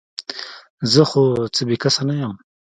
زه خو څه بې کسه نه یم ؟